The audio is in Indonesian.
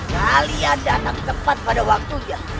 kalian datang tepat pada waktunya